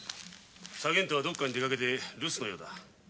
左源太はどこかへ出かけて留守のようだ。